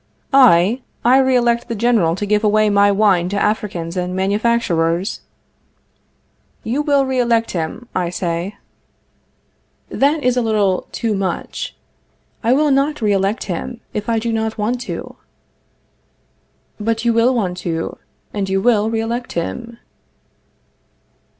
I? I re elect the General to give away my wine to Africans and manufacturers? You will re elect him, I say. That is a little too much. I will not re elect him, if I do not want to. But you will want to, and you will re elect him.